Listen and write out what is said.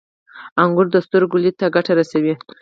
• انګور د سترګو لید ته ګټه رسوي.